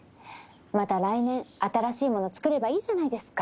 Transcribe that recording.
また来年新しいもの作ればいいじゃないですか。